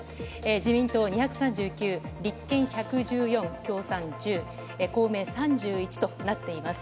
自民党２３９、立憲１１４、共産１０、公明３１となっています。